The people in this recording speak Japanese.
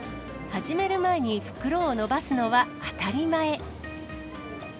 始める前に袋を伸ばすのは当たり前。